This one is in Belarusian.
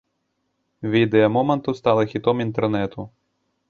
Відэа моманту стала хітом інтэрнэту.